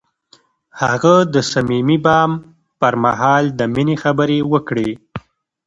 هغه د صمیمي بام پر مهال د مینې خبرې وکړې.